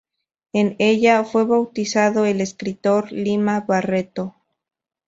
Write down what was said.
En ella, fue bautizado el escritor Lima Barreto.